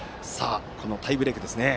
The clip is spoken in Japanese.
このタイブレークです。